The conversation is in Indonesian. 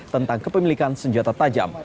tentang kepemilikan senjata tajam